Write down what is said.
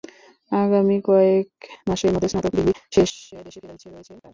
আগামী কয়েক মাসের মধ্যে স্নাতক ডিগ্রি শেষে দেশে ফেরার ইচ্ছে রয়েছে তাঁর।